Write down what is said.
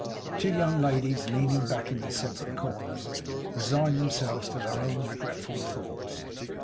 The two young ladies, leaning back in their separate corners, resigned themselves to their own regretful thoughts.